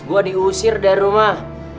gua diusir dari rumah